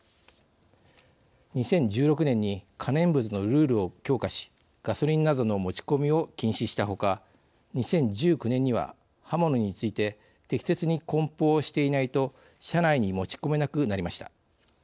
２０１６年に可燃物のルールを強化しガソリンなどの持ち込みを禁止したほか２０１９年には刃物について適切にこん包していないと車内に持ち込めなくなりました。